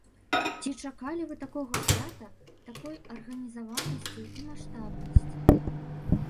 Ці чакалі вы такога свята, такой арганізаванасці і маштабнасці?